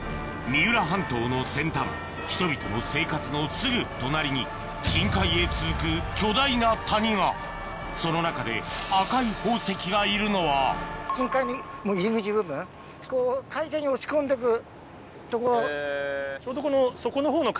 三浦半島の先端人々の生活のすぐ隣に深海へ続く巨大な谷がその中で赤い宝石がいるのはそうなんですね。